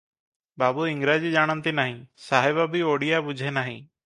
ବାବୁ ଇଂରାଜୀ ଜାଣନ୍ତି ନାହିଁ - ସାହେବ ବି ଓଡ଼ିଆ ବୁଝେ ନାହିଁ ।